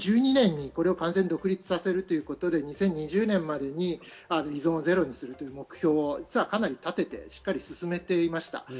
２０１２年にこれを完全に独立させるということで、２０２０年までに依存をゼロにするという目標をかなり立てて、しっかり進めていました。